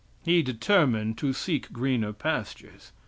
He determined to seek greener pastures.